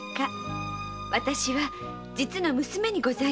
私は実の娘でございます。